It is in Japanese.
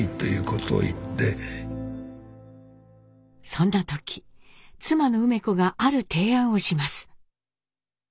そんな時妻の梅子がある提案をします。